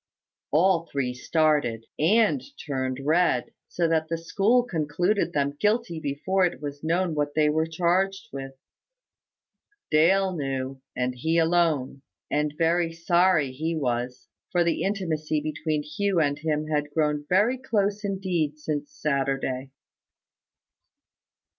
All three started, and turned red; so that the school concluded them guilty before it was known what they were charged with. Dale knew, and he alone; and very sorry he was, for the intimacy between Hugh and him had grown very close indeed since Saturday.